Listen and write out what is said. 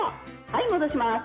はい戻します。